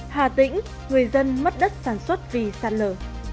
hà tĩnh người dân mất đất sản xuất vì sạt lở